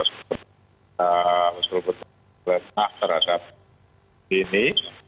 untuk men tracking terasa begini